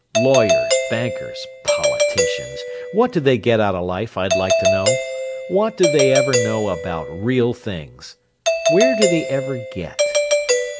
Lawyers, bankers, politicians! What do they get out of life, I'd like to know! What do they ever know about real things? Where do they ever _get?